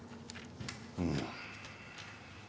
うん。